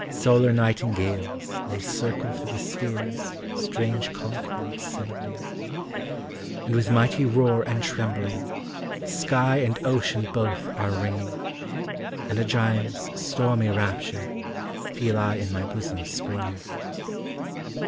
Solar nightingales, they circle Through the spheres strange concord sending. And with mighty roar and trembling, Sky and ocean both are ringing; And a giant's stormy rapture Feel I in my bosom springing.